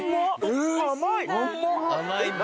甘い！